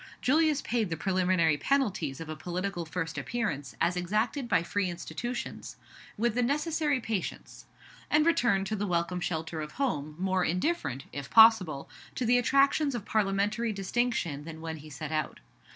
Julius paid the preliminary penalties of a political first appearance, as exacted by free institutions, with the necessary patience; and returned to the welcome shelter of home, more indifferent, if possible, to the attractions of Parliamentary distinction than when he set out.